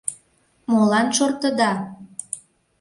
— Молан шортыда?